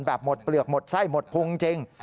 แบบหมดเปลือกหมดไส้หมดพุงจริง